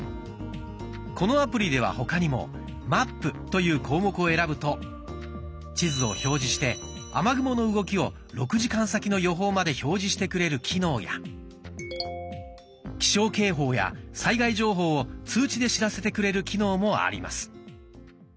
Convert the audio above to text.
このアプリでは他にも「マップ」という項目を選ぶと地図を表示して雨雲の動きを６時間先の予報まで表示してくれる機能や気象警報や災害情報を通知で知らせてくれる機能もあります。